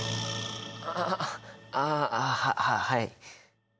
ああああはい。